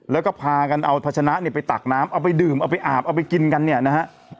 แล้วก็พากันเอาพัชนะเนี่ยไปตักน้ำเอาไปดื่มเอาไปอาบเอาไปกินกันเนี่ยนะฮะ